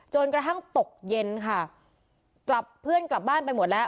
จนกระทั่งตกเย็นค่ะกลับเพื่อนกลับบ้านไปหมดแล้ว